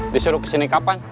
disuruh kesini kapan